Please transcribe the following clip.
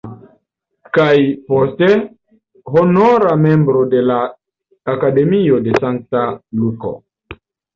Kaj, poste, honora membro de la Akademio de Sankta Luko.